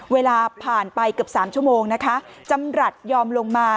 เวลาผ่านไปเกือบสามชั่วโมงนะคะจำรัฐยอมลงมา